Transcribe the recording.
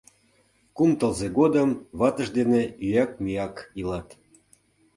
Кум тылзе годым ватыж дене ӱяк-мӱяк илат.